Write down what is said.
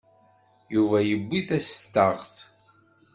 Yuba yewwi tastaɣt.